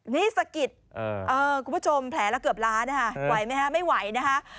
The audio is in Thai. นี่สกิดคุณผู้ชมแผลละเกือบล้านไหวไหมครับไม่ไหวนะฮะ